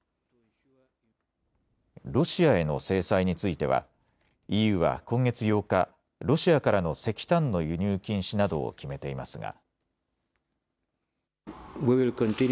ロシアへの制裁についてはＥＵは今月８日、ロシアからの石炭の輸入禁止などを決めていますが。